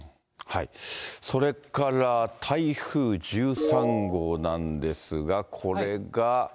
それから、台風１３号なんですが、これが。